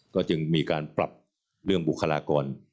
ก็จึงมีการปรับเรื่องบุคลากร